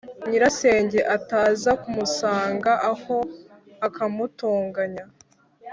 nyirasenge ataza kumusanga aho akamutonganya